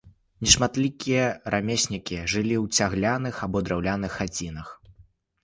Нешматлікія рамеснікі жылі ў цагляных або драўляных хацінах.